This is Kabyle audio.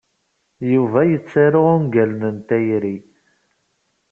Yuba yettaru ungalen n tayri.